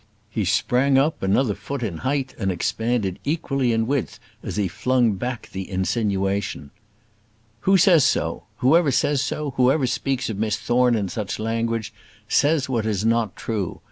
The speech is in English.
He sprang up another foot in height, and expanded equally in width as he flung back the insinuation. "Who says so? Whoever says so, whoever speaks of Miss Thorne in such language, says what is not true.